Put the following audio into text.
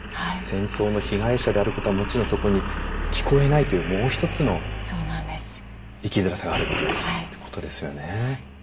戦争の被害者であることはもちろんそこに聞こえないというもう一つの生きづらさがあるっていうことですよね。